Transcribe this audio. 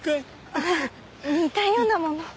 ああ似たようなもの。